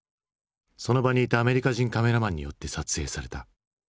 その場にいたアメリカ人カメラマンによって撮影された。